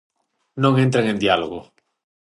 Non entren en diálogo.